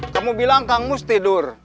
kamu bilang kang mus tidur